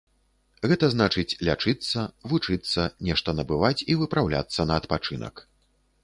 Гэта значыць, лячыцца, вучыцца, нешта набываць і выпраўляцца на адпачынак.